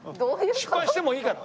失敗してもいいから。